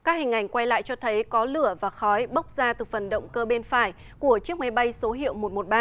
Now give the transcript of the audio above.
các hình ảnh quay lại cho thấy có lửa và khói bốc ra từ phần động cơ bên phải của chiếc máy bay số hiệu một trăm một mươi ba